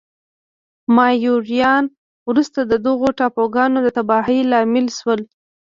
مایوریان وروسته د دغو ټاپوګانو د تباهۍ لامل شول.